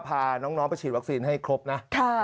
พาน้องไปฉีดวัคซีนให้ครบนะ